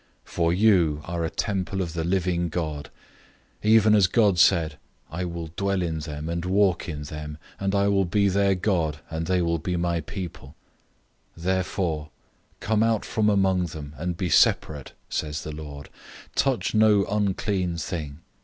For you are a temple of the living God. Even as God said, "I will dwell in them, and walk in them; and I will be their God, and they will be my people."{Leviticus 26:12; Jeremiah 32:38; Ezekiel 37:27} 006:017 Therefore, "'Come out from among them, and be separate,' says the Lord. 'Touch no unclean thing.